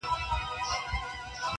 شرمنده سو ته وا ټول عالم پر خاندي!.